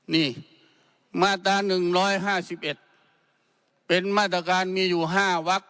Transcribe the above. นี่มาตราหนึ่งร้อยห้าสิบเอ็ดเป็นมาตรการมีอยู่ห้าวัก